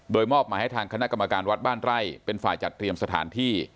โดยมอบมาให้ทางคณะกรรมการวัดบ้านไร่เป็นฝ่ายจัดเตรียมสถานที่